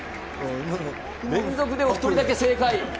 連続で１人だけ正解。